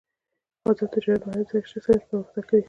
آزاد تجارت مهم دی ځکه چې ساینس پرمختګ کوي.